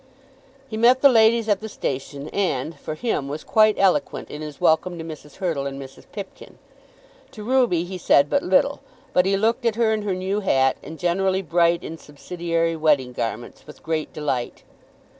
He met the ladies at the station and, for him, was quite eloquent in his welcome to Mrs. Hurtle and Mrs. Pipkin. To Ruby he said but little. But he looked at her in her new hat, and generally bright in subsidiary wedding garments, with great delight.